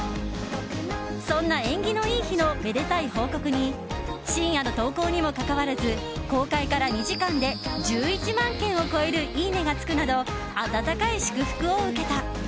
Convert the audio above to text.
そんな縁起のいい日のめでたい報告に深夜の投稿にもかかわらず公開から２時間で１１万件を超えるいいねがつくなど温かい祝福を受けた。